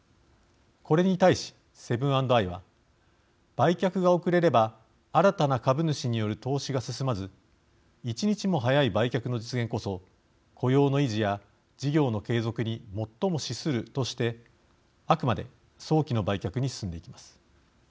これに対し、セブン＆アイは売却が遅れれば新たな株主による投資が進まず１日も早い売却の実現こそ雇用の維持や事業の継続に最も資するとしてあくまで早期の売却に進んでいきます。